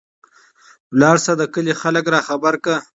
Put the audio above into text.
لاړشى د کلي خلک راخبر کړى.